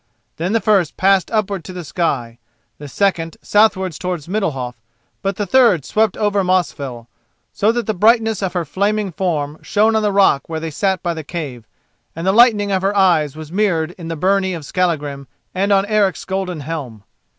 Then the first passed upward to the sky, the second southward towards Middalhof, but the third swept over Mosfell, so that the brightness of her flaming form shone on the rock where they sat by the cave, and the lightning of her eyes was mirrored in the byrnie of Skallagrim and on Eric's golden helm.